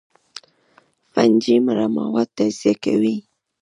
فنجي مړه مواد تجزیه کوي